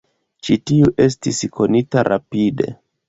Ĉi tiu estis konita rapide.